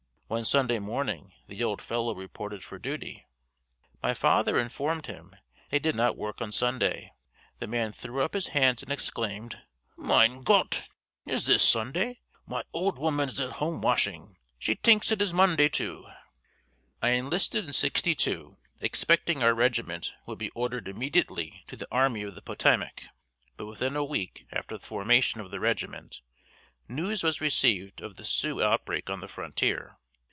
One Sunday morning the old fellow reported for duty. My father informed him they did not work on Sunday. The man threw up his hands and exclaimed "Mine Gott! is this Sunday? My ole woman is at home washing; she tinks it is Monday too!" I enlisted in '62 expecting our regiment would be ordered immediately to the Army of the Potomac, but within a week after the formation of the regiment, news was received of the Sioux outbreak on the frontier.